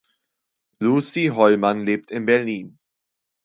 Lucie Hollmann lebt in Berlin.